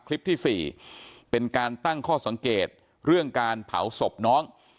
คลิปที่๔เป็นการตั้งข้อสังเกตเรื่องการเผาศพน้อง